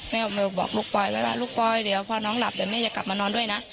บอกลูกปอยไว้ว่าลูกปอยเดี๋ยวพอน้องหลับเดี๋ยวแม่จะกลับมานอนด้วยนะ